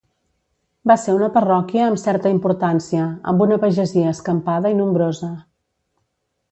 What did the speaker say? Va ser una parròquia amb certa importància, amb una pagesia escampada i nombrosa.